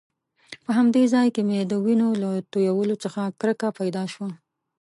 په همدې ځای کې مې د وینو له تويولو څخه کرکه پیدا شوه.